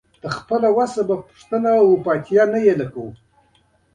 که مو دا غوټه په خیر خلاصه شوه؛ ښه به وي.